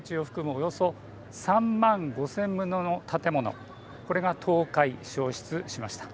およそ３万５０００棟の建物、これが倒壊、焼失しました。